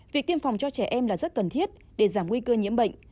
việc tiêm phòng cho trẻ em là rất cần thiết để giảm nguy cơ nhiễm bệnh